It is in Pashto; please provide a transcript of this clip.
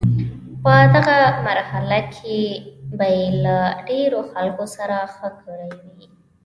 په دغه مرحله کې به یې له ډیرو خلکو سره ښه کړي وي.